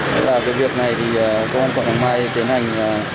cái việc này thì công an quận hoàng mai tiến hành